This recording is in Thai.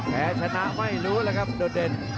แค่ชนะไม่รู้เลยครับโดดเดน